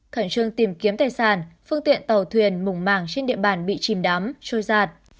khẩn trương tìm kiếm tài sản phương tiện tàu thuyền mồng mảng trên địa bàn bị chìm đám trôi giạt